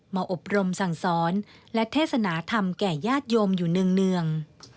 อบรมสั่งสอนและเทศนาธรรมแก่ญาติโยมอยู่เนื่อง